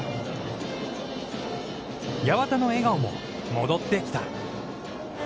八幡の笑顔も戻ってきた。